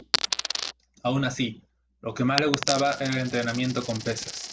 Aun así, lo que más le gustaba era el entrenamiento con pesas.